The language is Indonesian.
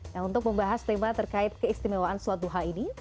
nah untuk membahas tema terkait keistimewaan sholat duha ini